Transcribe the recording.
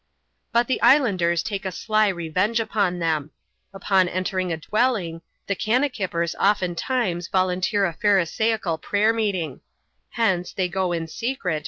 But the islanders take a sly revenge upon them Upon entering a dwelling, the kannakippers oftentimes volunteer a Pharisaical prayer meeting : hence, they ^o m ^clx^X.